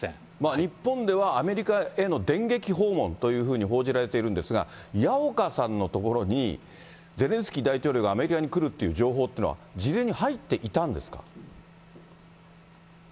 日本ではアメリカへの電撃訪問というふうに報じられているんですが、矢岡さんのところにゼレンスキー大統領がアメリカに来るっていう情報っていうのは、事前に入っていたんですか。